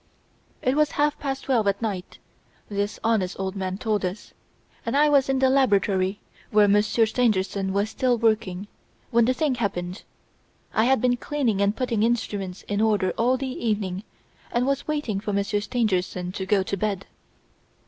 "'It was half past twelve at night,' this honest old man told us, 'and I was in the laboratory, where Monsieur Stangerson was still working, when the thing happened. I had been cleaning and putting instruments in order all the evening and was waiting for Monsieur Stangerson to go to bed.